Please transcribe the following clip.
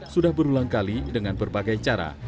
sudah berulang kali dengan berbagai cara